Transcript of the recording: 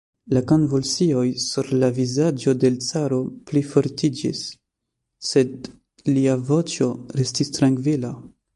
La konvulsioj sur la vizaĝo de l' caro plifortiĝis, sed lia voĉo restis trankvila.